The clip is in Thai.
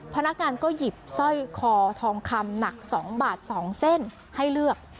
พนักงานก็หยิบสร้อยคอทองคำหนัก๒บาท๒เส้นให้เลือก